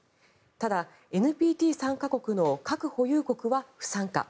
ただ、ＮＰＴ参加国の核保有国は不参加。